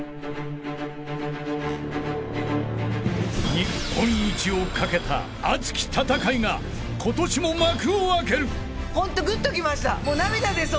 ［日本一を懸けた熱き戦いが今年も幕を開ける］